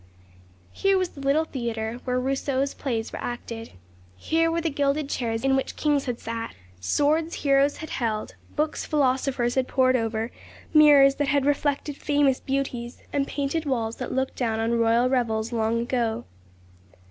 Here was the little theatre where Rousseau's plays were acted. Here were the gilded chairs in which kings had sat, swords heroes had held, books philosophers had pored over, mirrors that had reflected famous beauties, and painted walls that had looked down on royal revels long ago.